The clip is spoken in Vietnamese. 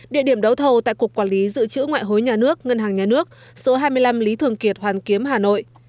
địa điểm đấu thầu tại cục quản lý dự trữ ngoại hối nhà nước ngân hàng nhà nước số hai mươi năm lý thường kiệt hoàn kiếm hà nội